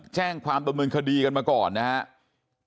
แจ้งความดำเนินคดีกันมาก่อนนะครับ